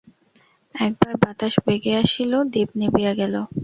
একবার বাতাস বেগে আসিল– দীপ নিবিয়া গেল।